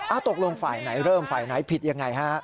ตกลงฝ่ายไหนเริ่มฝ่ายไหนผิดยังไงฮะ